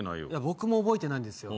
僕も覚えてないんですよ